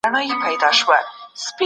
د وریښتانو څوکې پرې کول ښکلا زیاتوي.